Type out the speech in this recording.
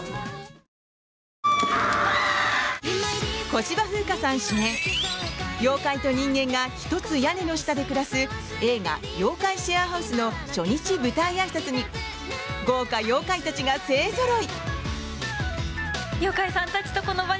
小芝風花さん主演妖怪と人間が１つ屋根の下で暮らす映画「妖怪シェアハウス」の初日舞台あいさつに豪華妖怪たちが勢ぞろい。